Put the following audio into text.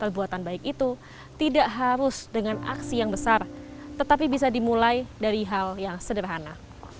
perbuatan baik itu tidak harus dengan aksi yang besar tetapi bisa dimulai dari hal yang sederhana